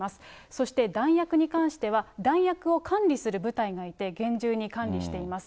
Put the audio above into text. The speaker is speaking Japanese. そして弾薬に関しては、弾薬を管理する部隊がいて、厳重に管理しています。